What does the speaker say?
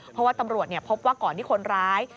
เพราะว่าตำรวจพบว่าก่อนที่คนร้าย